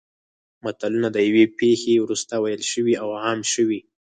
متلونه د یوې پېښې وروسته ویل شوي او عام شوي